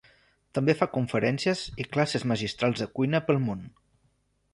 També fa conferències i classes magistrals de cuina pel món.